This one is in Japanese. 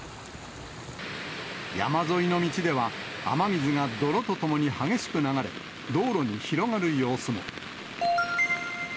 山沿いの道では、雨水が泥とともに激しく流れ、道路に広がる様子も。